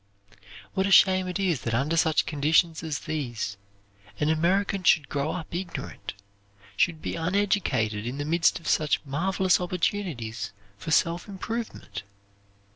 What a shame it is that under such conditions as these an American should grow up ignorant, should be uneducated in the midst of such marvelous opportunities for self improvement!